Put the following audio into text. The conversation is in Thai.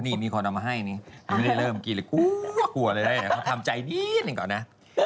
นี่มีคนเอามาให้ไม่ได้เริ่มกินเลยหัวเลยทำใจนิดหน่อยก่อนนะ